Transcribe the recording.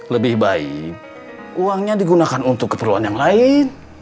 lebih baik uangnya digunakan untuk keperluan yang lain